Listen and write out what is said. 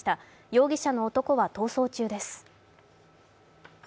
容疑者の男は逃走中です。